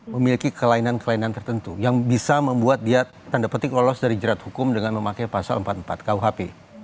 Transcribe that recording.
memiliki kelainan kelainan tertentu yang bisa membuat dia tanda petik lolos dari jerat hukum dengan memakai pasal empat puluh empat kuhp